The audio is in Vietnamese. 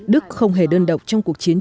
đức không hề đơn độc trong cuộc chiến